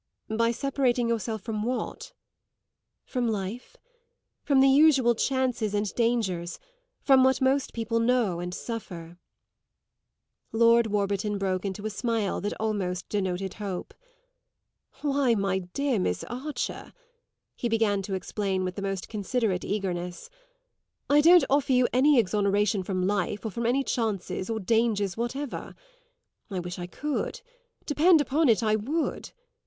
"By separating yourself from what?" "From life. From the usual chances and dangers, from what most people know and suffer." Lord Warburton broke into a smile that almost denoted hope. "Why, my dear Miss Archer," he began to explain with the most considerate eagerness, "I don't offer you any exoneration from life or from any chances or dangers whatever. I wish I could; depend upon it I would!